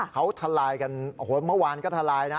เขาทลายกันโอ้โหเมื่อวานก็ทลายนะ